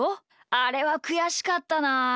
あれはくやしかったなあ。